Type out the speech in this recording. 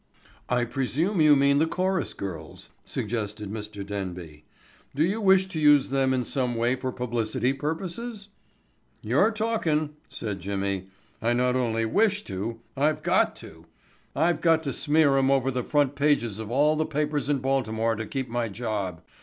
"I presume you mean the chorus girls," suggested Mr. Denby. "Do you wish to use them in some way for publicity purposes?" "You're talking," said Jimmy. "I not only wish to I've got to. I've got to smear 'em over the front pages of all the papers in Baltimore to keep my job.